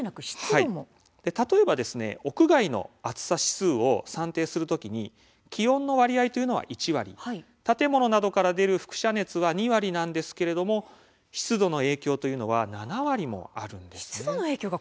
例えば屋外の暑さ指数を算定する時気温の割合は１割建物から出るふく射熱は２割なんですが湿度の影響というのは７割もあるんです。